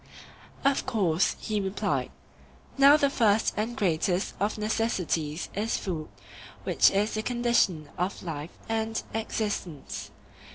Of course, he replied. Now the first and greatest of necessities is food, which is the condition of life and existence.